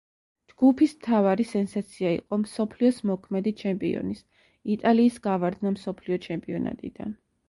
ჯგუფის მთავარი სენსაცია იყო მსოფლიოს მოქმედი ჩემპიონის, იტალიის გავარდნა მსოფლიო ჩემპიონატიდან.